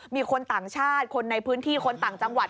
มีคนต่างชาติคนในพื้นที่คนต่างจังหวัด